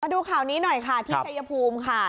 ดูข่าวนี้หน่อยค่ะที่ชัยภูมิค่ะ